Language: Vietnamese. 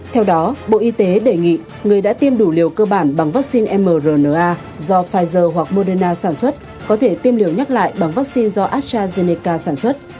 theo đó bộ y tế đề nghị người đã tiêm đủ liều cơ bản bằng vắc xin mrna do pfizer hoặc moderna sản xuất có thể tiêm liều nhắc lại bằng vắc xin do astrazeneca sản xuất